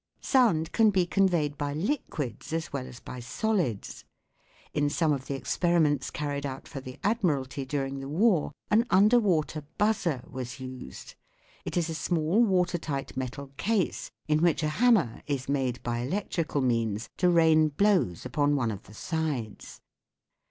Sound can be conveyed by liquids as well as by solids. In some of the experiments carried out for the Admiralty during the war an under water " buzzer " was used. It is a small water tight metal case in which a hammer is made by electrical means to rain blows upon one of the sides.